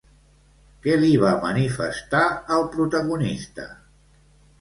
Què li va manifestar el protagonista?